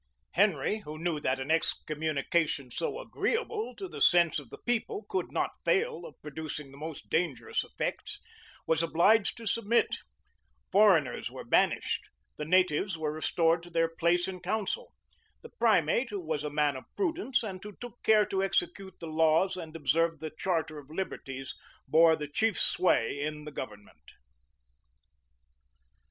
Henry, who knew that an excommunication so agreeable to the sense of the people could not fail of producing the most dangerous effects, was obliged to submit: foreigners were banished; the natives were restored to their place in council;[] the primate, who was a man of prudence, and who took care to execute the laws and observe the charter of liberties, bore the chief sway in the government.